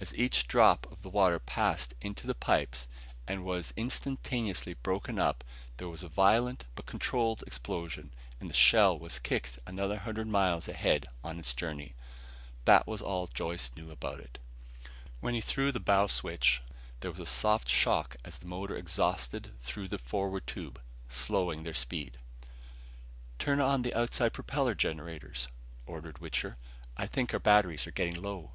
As each drop of water passed into the pipes, and was instantaneously broken up, there was a violent but controlled explosion and the shell was kicked another hundred miles ahead on its journey. That was all Joyce knew about it. He threw the bow switch. There was a soft shock as the motor exhausted through the forward tube, slowing their speed. "Turn on the outside generator propellers," ordered Wichter. "I think our batteries are getting low."